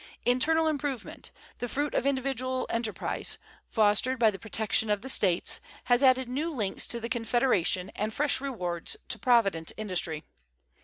Internal improvement, the fruit of individual enterprise, fostered by the protection of the States, has added new links to the Confederation and fresh rewards to provident industry.